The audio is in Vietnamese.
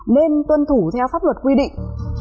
nên tuân thủ theo pháp luật quy định